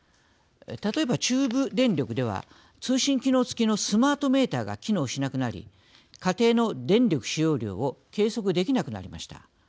例えば、中部電力では通信機能付きのスマートメーターが機能しなくなり家庭の電力使用量を計測できなくなりました。